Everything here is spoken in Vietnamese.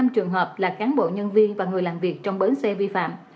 một trăm linh năm trường hợp là cán bộ nhân viên và người làm việc trong bến xe vi phạm